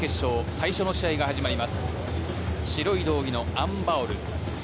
最初の試合が始まります。